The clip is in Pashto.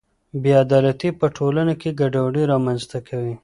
بې عدالتي په ټولنه کې ګډوډي رامنځته کوي.